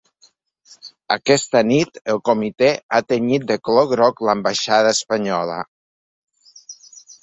Aquesta nit, el comitè ha tenyit de color groc l’ambaixada espanyola.